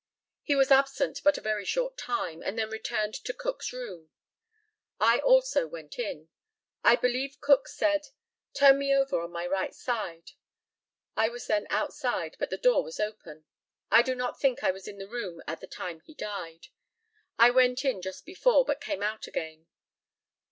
He was absent but a very short time, and then returned to Cook's room. I also went in. I believe Cook said, "Turn me over on my right side." I was then outside, but the door was open. I do not think that I was in the room at the time he died. I went in just before, but came out again.